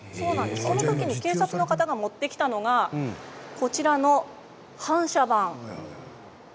その時に警察の方が持ってきたのがこちらの反射板です。